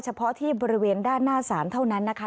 เฉพาะที่บริเวณด้านหน้าศาลเท่านั้นนะคะ